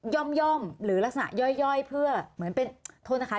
ย่อมหรือลักษณะย่อยเพื่อเหมือนเป็นโทษนะคะ